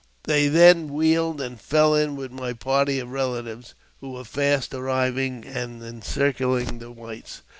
They then wheeled, and fell in with my party of relatives^! who were fast arriving and encircling the whites.